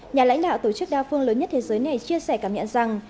nhà lãnh đạo tổ chức đa phương lớn nhất thế giới này chia sẻ cảm nhận rằng